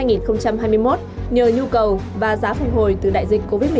nhờ nhu cầu và giá phục hồi từ đại dịch covid một mươi